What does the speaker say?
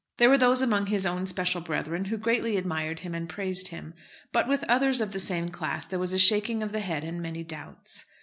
There were those among his own special brethren who greatly admired him and praised him; but with others of the same class there was a shaking of the head and many doubts.